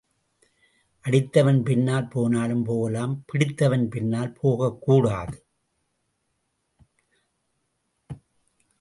அடித்தவன் பின்னால் போனாலும் போகலாம் பிடித்தவன் பின்னால் போகக்கூடாது.